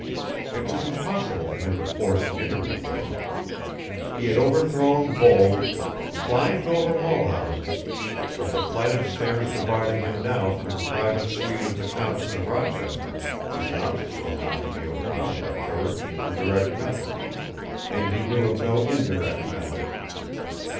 It was impossible for him to force an interview with her. He had overthrown Voles, climbed over Mulhausen, but the flight of stairs dividing him now from the private suite of the Countess of Rochester was an obstacle not to be overcome by courage or direct methods, and he knew of no indirect method.